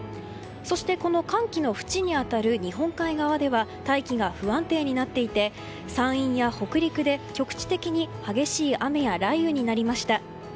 そしてこの寒気のふちに当たる日本海側では大気が不安定になっていて山陰や北陸で局地的に激しい雨や雷雨になりました。